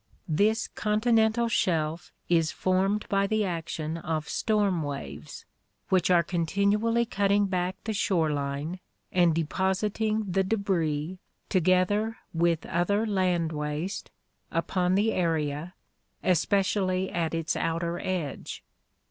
This continental shelf is formed by the action of storm waves, which are continually cutting back the shore line and depositing the debris, together with other land waste, upon the area, especially at its outer edge.